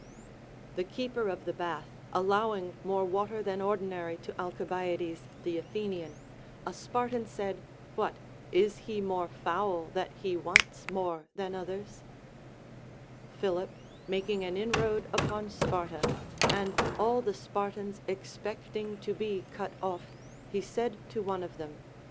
The keeper of the bath allowing more water than ordinary to Alcibiades the Athenian, a Spartan said, AVliat ! is he more foul, that he wants more than others 1 Philip mak ing an inroad upon Sparta, and, all the Spartans expecting to be cut oif, he said to one of them.